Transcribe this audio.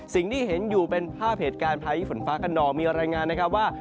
สิ่งที่เห็นอยู่เป็นภาพเหตุการณ์พายุฝนฟ้ากระนองมีรายงานนะครับว่า